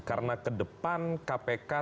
karena ke depan kpk